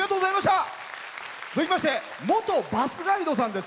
続きまして元バスガイドさんです。